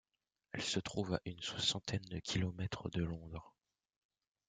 Elle se trouve à une soixantaine de kilomètres de Londres.